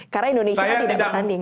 karena indonesia tidak bertanding